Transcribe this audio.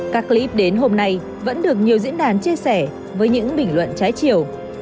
các clip đến hôm nay vẫn được nhiều diễn đàn chia sẻ với những bình luận trái chiều